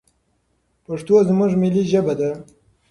پښتو زموږ ملي ژبه ده.